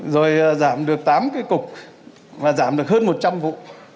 rồi giảm được tám cái cục và giảm được hơn một trăm linh vụ